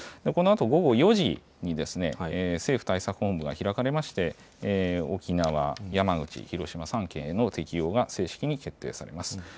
このあと午後４時に、政府対策本部が開かれまして、沖縄、山口、広島３県への適用が正式に決定されます。